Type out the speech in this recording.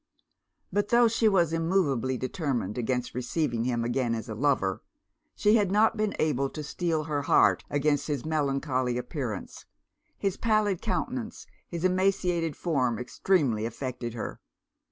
But tho' she was immoveably determined against receiving him again as a lover, she had not been able to steel her heart against his melancholy appearance; his palid countenance, his emaciated form, extremely affected her.